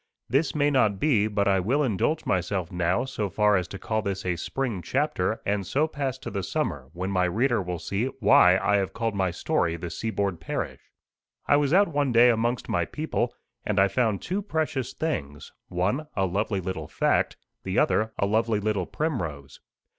This may not be, but I will indulge myself now so far as to call this a spring chapter, and so pass to the summer, when my reader will see why I have called my story "The Seaboard Parish." I was out one day amongst my people, and I found two precious things: one, a lovely little fact, the other a lovely little primrose.